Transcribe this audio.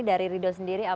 dari rido sendiri